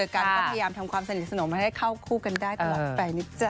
ก็พยายามทำความสนิทสนุกมาให้เข้าคู่กันได้กลับไปนิดจ้ะ